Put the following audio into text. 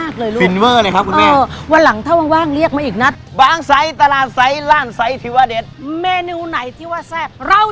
ก็ลาไปขอสวัสดีครับ